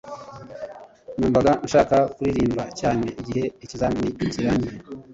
numvaga nshaka kuririmba cyane igihe ikizamini kirangiye